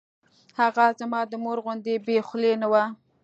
هغه زما د مور غوندې بې خولې نه وه.